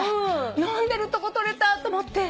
飲んでるとこ撮れたと思って。